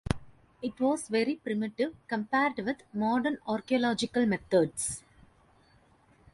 It was very primitive compared with modern archaeological methods.